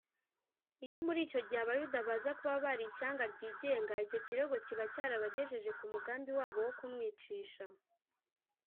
Iyo muri icyo gihe Abayuda baza kuba bari ishyanga ryigenga, icyo kirego kiba cyarabagejeje ku mugambi wabo wo kumwicisha